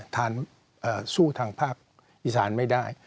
สู้ทางภาคอีสานไม่ได้